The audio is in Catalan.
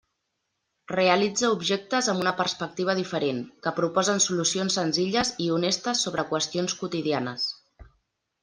Realitza objectes amb una perspectiva diferent, que proposen solucions senzilles i honestes sobre qüestions quotidianes.